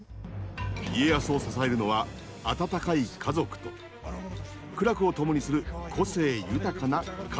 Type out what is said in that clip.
家康を支えるのは温かい家族と苦楽を共にする個性豊かな家臣たち。